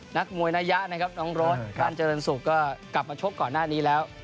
นักมวยนายะนะครับน้องโรสวันเจริญศุกร์ก็กลับมาชกก่อนหน้านี้แล้ว